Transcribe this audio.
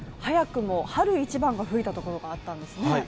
早くも、春一番が吹いたところがあったんですね。